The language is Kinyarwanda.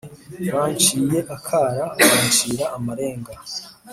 Bincinye akara bincira amarenga